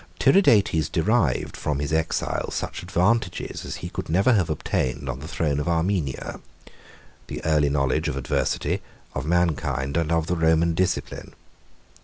Tiridates derived from his exile such advantages as he could never have obtained on the throne of Armenia; the early knowledge of adversity, of mankind, and of the Roman discipline.